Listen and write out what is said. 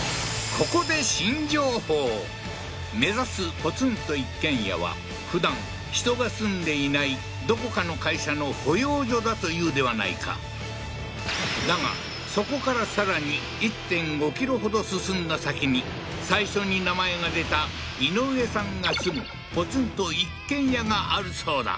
ここで新情報目指すポツンと一軒家はふだん人が住んでいないどこかの会社の保養所だと言うではないかだがそこからさらに１．５ｋｍほど進んだ先に最初に名前が出たイノウエさんが住むポツンと一軒家があるそうだ